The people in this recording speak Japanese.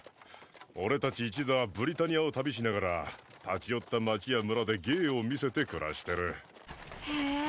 俺達一座はブリタニアを旅しながら立ち寄った町や村で芸を見せて暮らしてるへえ！